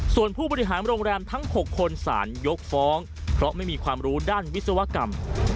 ส่วนผู้บริหารโรงแรมทั้ง๖คนสารยกฟ้องเพราะไม่มีความรู้ด้านวิศวกรรม